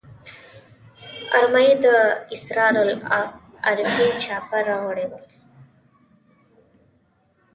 ارمایي د اسرار العارفین چاپه راوړي ول.